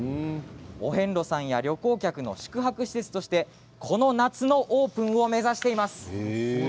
お遍路さんや旅行客の宿泊施設としてこの夏のオープンを目指しています。